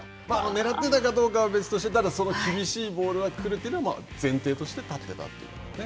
狙ってたかどうかは別として、ただ、厳しいボールが来るというのは、前提として立ってたということですね。